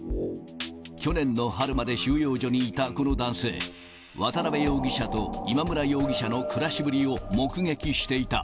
去年の春まで収容所にいたこの男性、渡辺容疑者と今村容疑者の暮らしぶりを目撃していた。